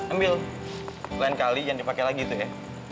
ambil lain kali jangan dipakai lagi itu ya